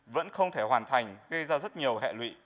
vẫn không thể hoàn thành gây ra rất nhiều hệ lụy